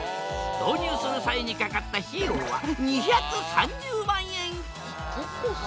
導入する際にかかった費用は結構すんだな。